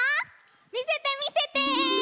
みせてみせて！